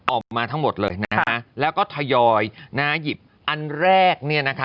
ออกมาทั้งหมดเลยนะฮะแล้วก็ทยอยนะฮะหยิบอันแรกเนี่ยนะคะ